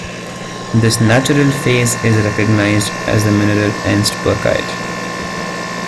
This natural phase is recognized as the mineral ernstburkeite.